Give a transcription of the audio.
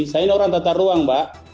saya ini orang tatar ruang mbak